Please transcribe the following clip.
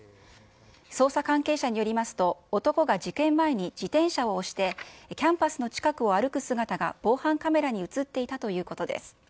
捜査関係者によりますと、男が事件前に自転車を押して、キャンパスの近くを歩く姿が防犯カメラに写っていたということです。